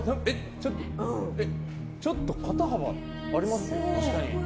ちょっと肩幅ありますよ。